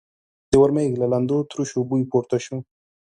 د ورمېږ له لندو تروشو بوی پورته شو.